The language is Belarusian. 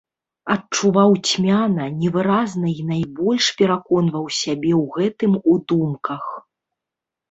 Адчуваў цьмяна, невыразна і найбольш пераконваў сябе ў гэтым у думках.